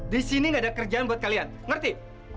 disini gak ada kerjaan buat kalian ngerti